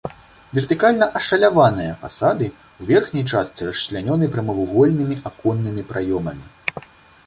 Вертыкальна ашаляваныя фасады ў верхняй частцы расчлянёны прамавугольнымі аконнымі праёмамі.